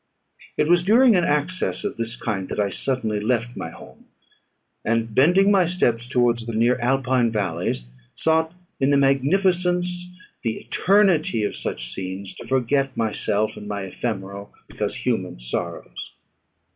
It was during an access of this kind that I suddenly left my home, and bending my steps towards the near Alpine valleys, sought in the magnificence, the eternity of such scenes, to forget myself and my ephemeral, because human, sorrows.